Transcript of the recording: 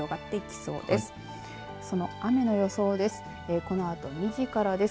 その雨の予想です。